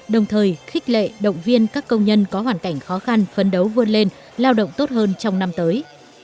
đồng thời khích lệ động viên các công nhân có hoàn cảnh khó khăn phấn đấu vươn lên lao động tốt hơn trong năm tới